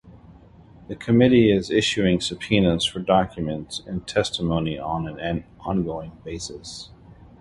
The Committee is issuing subpoenas for documents and testimony on an ongoing basis.